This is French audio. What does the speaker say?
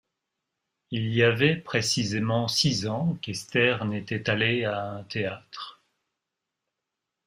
Il y avait précisément six ans qu’Esther n’était allée à un théâtre.